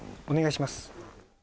お願いします